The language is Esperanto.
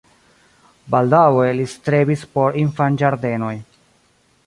Baldaŭe li strebis por infanĝardenoj.